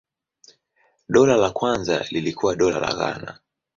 Dola la kwanza lilikuwa Dola la Ghana.